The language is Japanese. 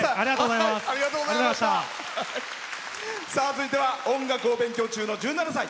続いては音楽を勉強中の１７歳。